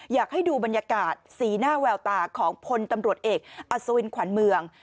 อยากให้ดูบรรยากาศสีหน้าแววตาของพลตำรวจเอกอัศวินขวัญเมือง